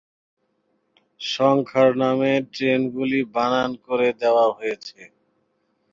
সংখ্যার নামের ট্রেনগুলি বানান করে দেওয়া হয়েছে।